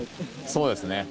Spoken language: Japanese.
そうですね。